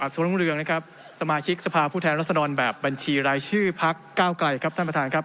รุ่งเรืองนะครับสมาชิกสภาพผู้แทนรัศดรแบบบัญชีรายชื่อพักเก้าไกลครับท่านประธานครับ